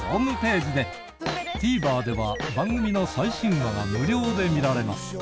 ＴＶｅｒでは番組の最新話が無料で見られます